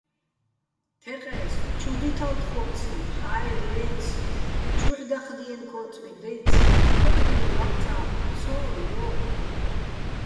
თეყე́ს: ჩუ დითალ თხოციჼ, ჰაერ ჲაჲცი̆, ჩუჰ̦ დაჴდიენო̆ ქო́თმი დაჲცი̆, ბადრილო ლაბწალ, - ცო, ჲო!